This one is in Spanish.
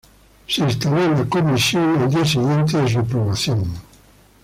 La comisión fue instalada al día siguiente de su aprobación.